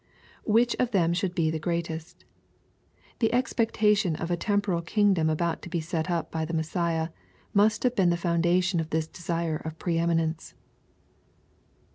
[Which of ihem should he {he greatest,] The expectation of a temporal kingdom about to be set up by the Messiah, must have been the foundation of this desire of pre eminence.